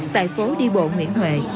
tại phố đi bộ nguyễn huệ